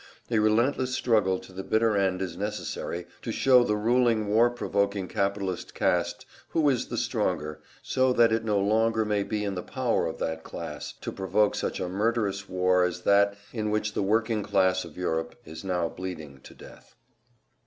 A relentless struggle to the bitter end is necessary to show the ruling war provoking capitalist caste who is the stronger, so that it no longer may be in the power of that class to provoke such a murderous war as that in which the working class of Europe is now bleeding to death.